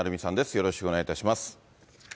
よろしくお願いします。